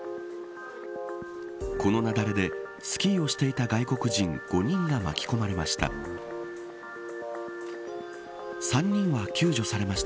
この雪崩でスキーをしていた外国人５人が巻き込まれました。